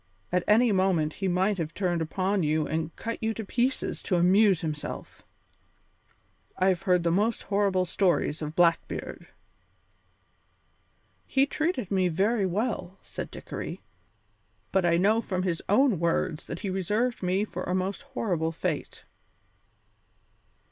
At any moment he might have turned upon you and cut you to pieces to amuse himself. I have heard the most horrible stories of Blackbeard." "He treated me very well," said Dickory, "but I know from his own words that he reserved me for a most horrible fate."